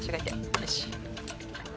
よし。